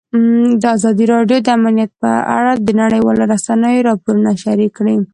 ازادي راډیو د امنیت په اړه د نړیوالو رسنیو راپورونه شریک کړي.